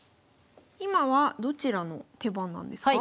今はどちらの手番なんですか？